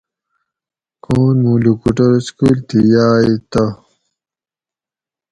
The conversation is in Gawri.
کون مُوں لوکوٹور سکول تھی یاۤئے تہ